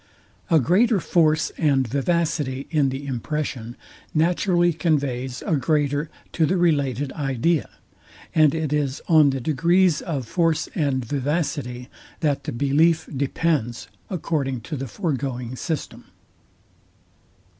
A greater force and vivacity in the impression naturally conveys a greater to the related idea; and it is on the degrees of force and vivacity, that the belief depends, according to the foregoing system.